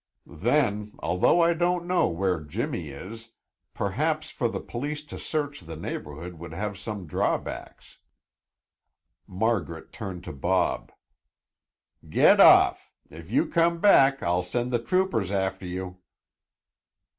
Then, although I don't know where Jimmy is, perhaps for the police to search the neighborhood would have some drawbacks." Margaret turned to Bob. "Get off! If you come back, I'll send the troopers after you."